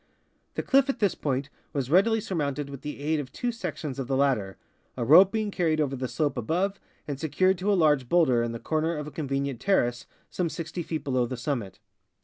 The cliff at this point was readily surmounted with the aid of two sections of the ladder, a rope being carried over the slope above and secured to a large bowlder in the corner of a conve nient terrace some 60 feet below the summit.